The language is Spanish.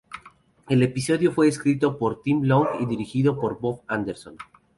El episodio fue escrito por Tim Long y dirigido por Bob Anderson.